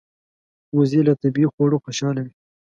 وزې له طبیعي خواړو خوشاله وي